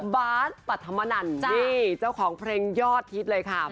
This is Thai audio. บาสปัธมนันนี่เจ้าของเพลงยอดฮิตเลยค่ะ